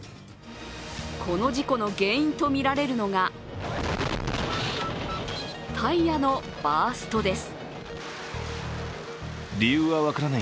この事故の原因とみられるのがタイヤのバーストです。